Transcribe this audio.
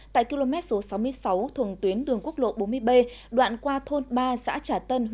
tại km số sáu mươi sáu thuồng tuyến đường quốc lộ bốn mươi b đoạn qua thôn ba xã trà tân